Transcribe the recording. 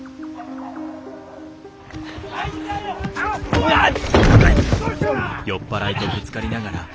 うわっ！